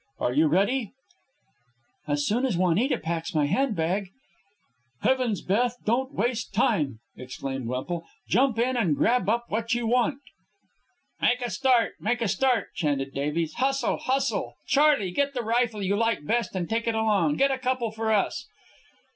Are you ready?" "As soon as Juanita packs my hand bag." "Heavens, Beth, don't waste time!" exclaimed Wemple. "Jump in and grab up what you want." "Make a start make a start," chanted Davies. "Hustle! Hustle! Charley, get the rifle you like best and take it along. Get a couple for us."